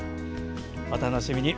お楽しみに。